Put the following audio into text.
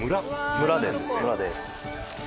村です。